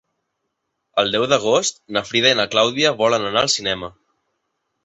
El deu d'agost na Frida i na Clàudia volen anar al cinema.